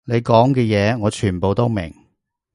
你講嘅嘢我全部都明